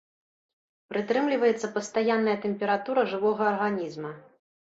Прытрымліваецца пастаянная тэмпература жывога арганізма.